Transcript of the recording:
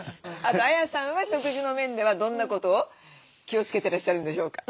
あとＡＹＡさんは食事の面ではどんなことを気をつけてらっしゃるんでしょうか？